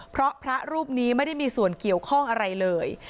เพราะพระรูปนี้ไม่ได้มีส่วนเกี่ยวข้องอะไรเลย